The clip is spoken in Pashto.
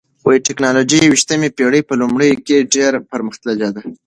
ټکنالوژي د یوویشتمې پېړۍ په لومړیو کې ډېره پرمختللې ده.